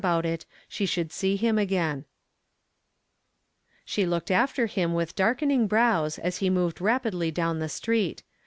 about it, she should see hin, again She looked after hi,„ with darkening\r, vs as be moved rapidly down the street.